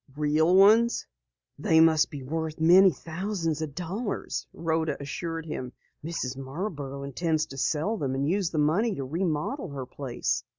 "Real ones?" "They must be worth many thousand dollars," Rhoda assured him. "Mrs. Marborough intends to sell them and use the money to remodel her place."